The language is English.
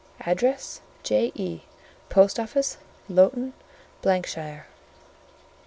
"Address, J.E., Post office, Lowton, ——shire."